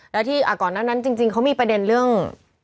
แล้วที่ก่อนหน้านั้นจริงเขามีประเด็นเรื่อง